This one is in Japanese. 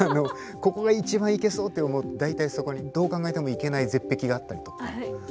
ここが一番行けそうって思うと大体そこにどう考えても行けない絶壁があったりとか。